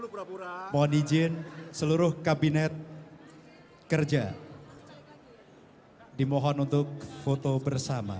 pura pura ponijen seluruh kabinet kerja hai dimohon untuk foto bersama